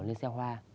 lên xe hoa